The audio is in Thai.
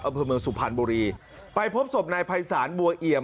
อำเภอเมืองสุพรรณบุรีไปพบศพนายภัยศาลบัวเอี่ยม